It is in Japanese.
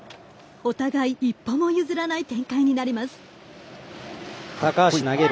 お互い一歩も譲らない展開になります。